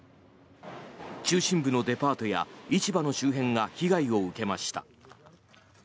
中心部のデパートや市場の周辺が被害を受けました。